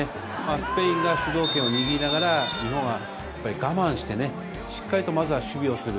スペインが主導権を握りながら、日本は我慢してね、しっかりとまずは守備をする。